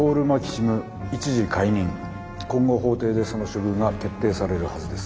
今後法廷でその処遇が決定されるはずです。